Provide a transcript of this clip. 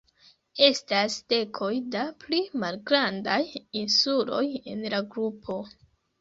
Estas dekoj da pli malgrandaj insuloj en la grupo.